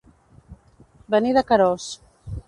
Venir de Querós.